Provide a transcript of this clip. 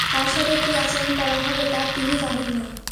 তাঁর সাথে কী আচরণ করা হবে তা তিনি জানেন না।